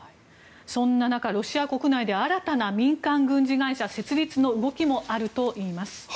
そんな中、ロシア国内で新たな民間軍事会社の設立の動きもあるといいます。